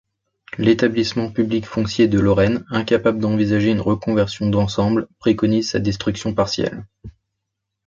L'établissement public foncier de Lorraine, incapable d'envisager une reconversion d'ensemble, préconise sa destruction partielle.